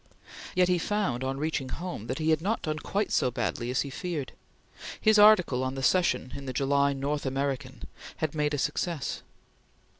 Yet he found, on reaching home, that he had not done quite so badly as he feared. His article on the Session in the July North American had made a success.